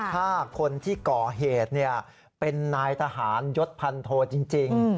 ถ้าคนที่ก่อเหตุเป็นนายทหารยศพันโทจริง